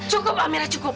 cukup amira cukup